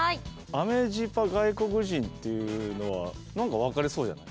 アメジパ外国人っていうのは何か分かりそうじゃない？